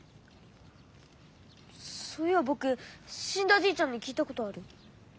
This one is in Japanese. そういやぼくしんだじいちゃんに聞いたことある。